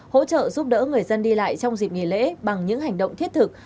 hỗ trợ giúp đỡ người dân đi lại trong dịp nghỉ lễ bằng những hành động thiết thực